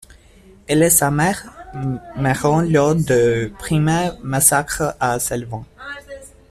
Elle et sa mère meurent lors du premier massacre à Salvan.